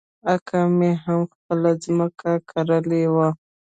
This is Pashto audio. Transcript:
اکا مې هم خپله ځمکه کرلې وه.